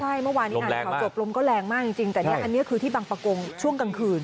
ใช่เมื่อวานนี้อ่านข่าวจบลมก็แรงมากจริงแต่เนี่ยอันนี้คือที่บังปะกงช่วงกลางคืน